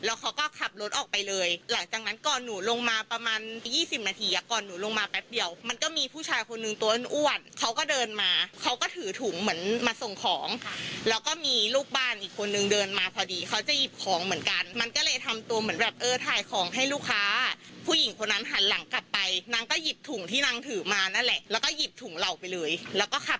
เอาไปเลยแล้วก็ขับรถออกไปเลยค่ะ